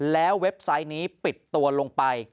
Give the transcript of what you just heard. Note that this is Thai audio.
แล้วเว็บไซต์นี้ปิดตัวลงไป